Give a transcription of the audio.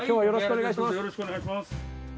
よろしくお願いします。